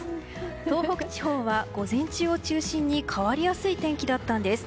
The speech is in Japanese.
東北地方は午前中を中心に変わりやすい天気だったんです。